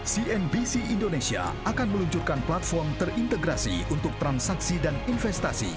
cnbc indonesia akan meluncurkan platform terintegrasi untuk transaksi dan investasi